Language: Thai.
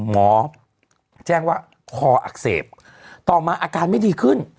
หมอแจ้งว่าคออักเสบต่อมาอาการไม่ดีขึ้น